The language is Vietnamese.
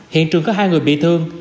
hiện trường có hai người bị thương